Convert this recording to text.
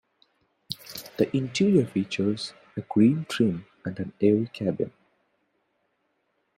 The interior features a green trim and an airy cabin.